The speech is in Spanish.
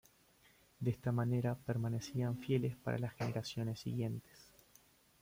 De esta manera permanecían fieles para las generaciones siguientes.